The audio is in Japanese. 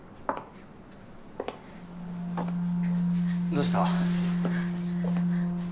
どうした？